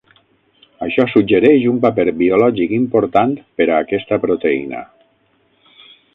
Això suggereix "un paper biològic important per a aquesta proteïna".